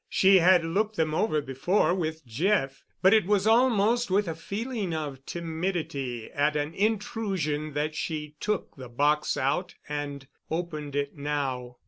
She had looked them over before with Jeff, but it was almost with a feeling of timidity at an intrusion that she took the box out and opened it now.